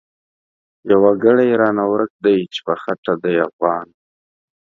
يو وګړی رانه ورک دی چی په خټه دی افغان